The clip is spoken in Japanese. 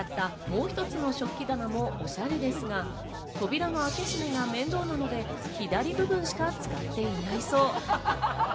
もう一つの食器棚もおしゃれですが、扉の開け閉めが面倒なので左部分しか使っていないそう。